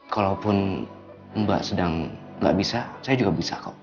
kalaupun mbak sedang nggak bisa saya juga bisa kok